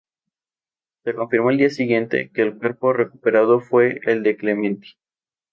Se confirmó al día siguiente que el cuerpo recuperado fue el de Clementi.